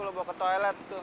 lo bawa ke toilet tuh